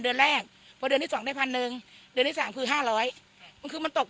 เดือนแรกพอเดือนที่สองได้พันหนึ่งเดือนที่สามคือห้าร้อยมันคือมันตก